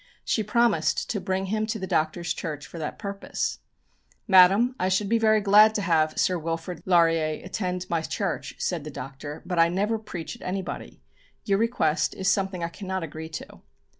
She promised to bring him to the Doctor's church for that purpose. "Madame, I shall be very glad to have Sir Wilfrid Laurier attend my church," said the Doctor, "but I never preach at anybody. Your request is something I cannot agree to."